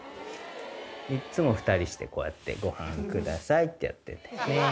いっつも２人してこうやって「ごはんください」ってやってて。